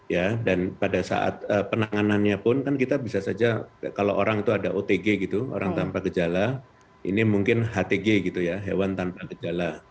ya dan pada saat penanganannya pun kan kita bisa saja kalau orang itu ada otg gitu orang tanpa gejala ini mungkin htg gitu ya hewan tanpa gejala